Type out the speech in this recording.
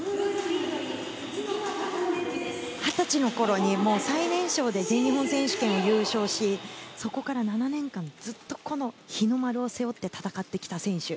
二十歳のころに最年少で全日本選手権を優勝しそこから７年間ずっと日の丸を背負って戦ってきた選手。